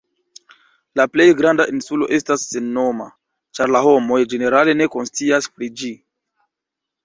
La plej granda insulo estas sennoma, ĉar la homoj ĝenerale ne konscias pri ĝi.